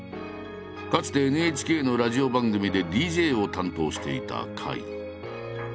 かつてＮＨＫのラジオ番組でＤＪを担当していた甲斐。